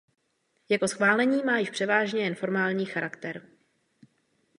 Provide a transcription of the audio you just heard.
Jeho schválení má již převážně jen formální charakter.